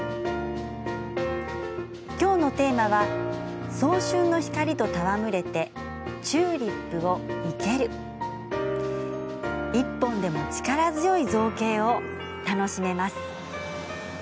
今日のテーマは早春の光と戯れてチューリップを生ける１本でも力強い造形が楽しめます。